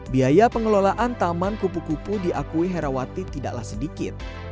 biaya pengelolaan taman kupu kupu diakui herawati tidaklah sedikit